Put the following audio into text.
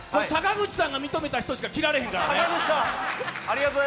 坂口さんが認めた人しか着られへんからね。